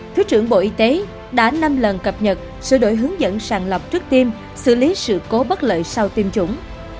thứ trưởng bộ y tế đã năm lần cập nhật sự đổi hướng dẫn sàng lọc trước tiêm xử lý sự cố bất lợi sau tiêm chủng